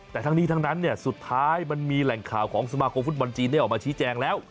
แต่ทั้งนี้ทั้งนั้นสุดท้ายมันมีแหล่งข่าวของสมาคมฟุตบอลจีนได้ออกมาชี้แจงแล้ว